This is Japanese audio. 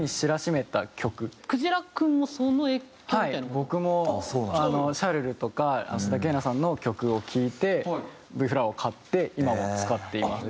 僕も『シャルル』とか須田景凪さんの曲を聴いてｖｆｌｏｗｅｒを買って今も使っています。